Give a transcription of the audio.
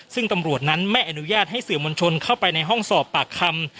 ซึ่งตำรวจนั้นไม่อนุญาตให้สื่อมวลชนเข้าไปในห้องสอบปากคำ